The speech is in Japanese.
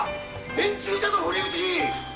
殿中じゃぞ堀内‼